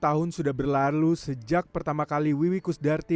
dua puluh tahun sudah berlalu sejak pertama kali wiwi kusdarti